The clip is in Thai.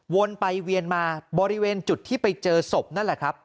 วนไปเวียนมาบริเวณจุดที่ไปเจอศพนั่นแหละครับ